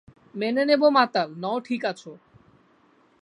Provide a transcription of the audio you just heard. মেনে নেব মাতাল নও ঠিক আছো।